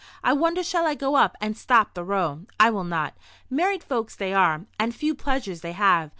"I wonder shall I go up and stop the row. I will not. Married folks they are; and few pleasures they have.